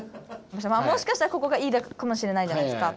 もしかしたらここが「ｅ」かもしれないじゃないですか。